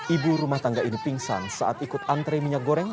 ibu rumah tangga ini pingsan saat ikut antre minyak goreng